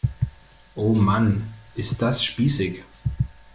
Oh Mann, ist das spießig!